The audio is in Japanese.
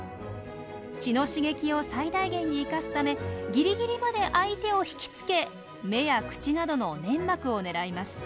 血の刺激を最大限に生かすためギリギリまで相手を引きつけ目や口などの粘膜を狙います。